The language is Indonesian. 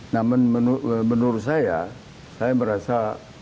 namun menurut saya saya merasa